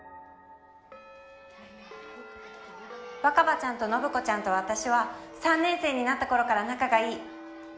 若葉ちゃんと信子ちゃんと私は３年生になった頃から仲が良い。